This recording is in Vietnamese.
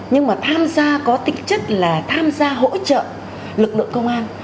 nhưng mà tham gia có tính chất là tham gia hỗ trợ lực lượng công an